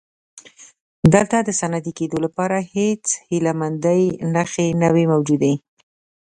دلته د صنعتي کېدو لپاره هېڅ هیله مندۍ نښې نه وې موجودې.